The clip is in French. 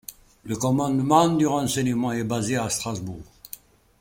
Le commandement du renseignement est basé à Strasbourg.